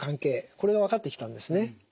これが分かってきたんですね。